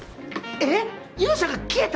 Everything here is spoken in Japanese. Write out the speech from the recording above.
えっ！？